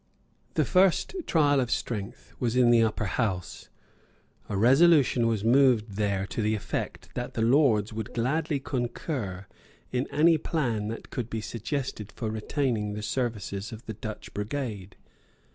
The first trial of strength was in the Upper House. A resolution was moved there to the effect that the Lords would gladly concur in any plan that could be suggested for retaining the services of the Dutch brigade.